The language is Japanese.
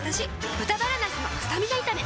「豚バラなすのスタミナ炒め」